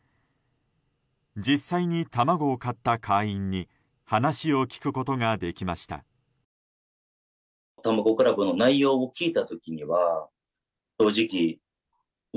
実際に卵を買った会員に話を聞くことができました。